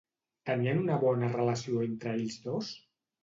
Tenien una bona relació entre ells dos?